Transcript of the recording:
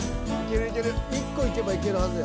１個いけばいけるはずや。